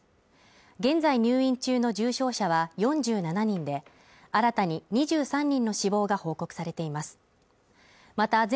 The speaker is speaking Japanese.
現在入院中の重症者は４７人で新たに２３人の死亡が報告されています。